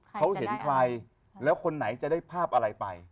เขาเห็นใครแล้วคนไหนจะได้ภาพอะไรไป